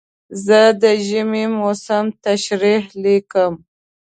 زه د ژمي موسم تشریح لیکم.